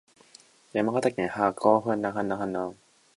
山形県舟形町